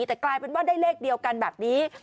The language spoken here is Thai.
แต่กลายเป็นว่าได้เลขเดียวกันแบบนี้